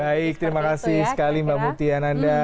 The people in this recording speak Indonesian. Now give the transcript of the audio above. baik terima kasih sekali mbak mutia nanda